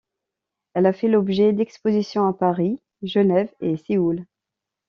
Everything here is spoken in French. Elle a fait l’objet d’expositions à Paris, Genève et Séoul.